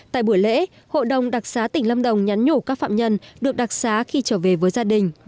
tại buổi lễ hội đồng đặc xá tỉnh lâm đồng nhắn nhủ các phạm nhân được đặc xá khi trở về với gia đình